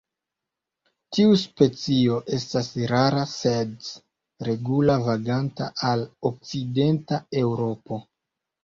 Tiu specio estas rara sed regula vaganta al okcidenta Eŭropo.